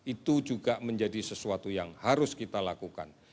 itu juga menjadi sesuatu yang harus kita lakukan